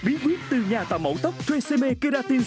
biến quyết từ nhà tạo mẫu tóc treseme keratin